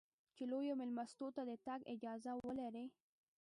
چې لویو مېلمستونو ته د تګ اجازه ولرې.